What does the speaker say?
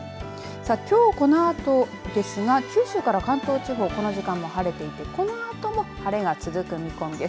さあ、きょう、このあとですが九州から関東地方、この時間も晴れていて、このあとも晴れが続く見込みです。